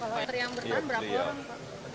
kalau yang pertama berapa orang